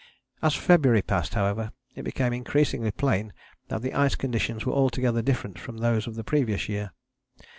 As February passed, however, it became increasingly plain that the ice conditions were altogether different from those of the previous year.